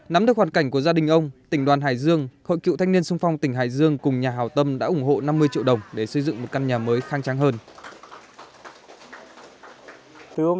nắm được hoàn cảnh của gia đình ông tỉnh đoàn hải dương hội cựu thanh niên sung phong tỉnh hải dương cùng nhà hào tâm đã ủng hộ năm mươi triệu đồng để xây dựng một căn nhà mới khang trang hơn